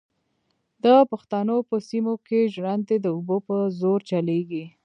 د پښتنو په سیمو کې ژرندې د اوبو په زور چلېږي.